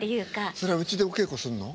それはうちでお稽古するの？